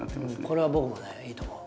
これは僕もねいいと思う。